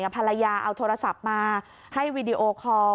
ภรรยาเอาโทรศัพท์มาให้วีดีโอคอร์